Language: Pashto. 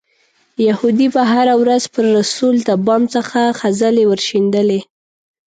یهودي به هره ورځ پر رسول د بام څخه خځلې ورشیندلې.